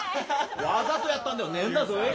わざとやったんではねえんだぞい。